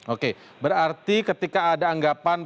oke berarti ketika ada anggapan